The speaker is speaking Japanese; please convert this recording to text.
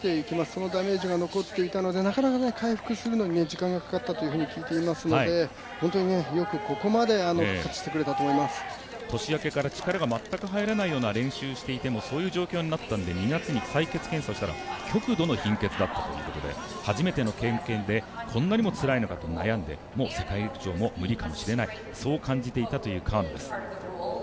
そのダメージが残っていたのでなかなか、回復するのに時間がかかったと聞いていますので、本当によくここまで年明けから力が全く入らないということで練習をしていても、そういう状況になったので採血検査をしたら極度の貧血ということで初めての経験で、こんなにもつらいのかと悩んで世界陸上も無理かもしれないと感じていたという川野です。